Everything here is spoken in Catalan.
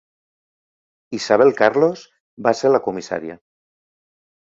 Isabel Carlos va ser la comissària.